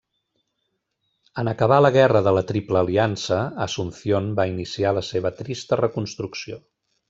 En acabar la Guerra de la Triple Aliança, Asunción va iniciar la seva trista reconstrucció.